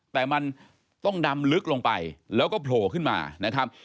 แต่มันต้องดำลึกลงไปแล้วก็โผล่ขึ้นมานะครับ